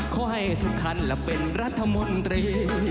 ขอให้ทุกคันและเป็นรัฐมนตรี